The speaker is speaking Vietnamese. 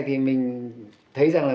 thì mình thấy rằng là